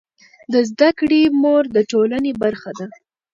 د زده کړې مور د ټولنې برخه ده.